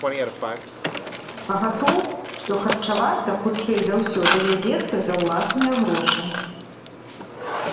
Пагатоў, што харчавацца, хутчэй за ўсё, давядзецца за ўласныя грошы.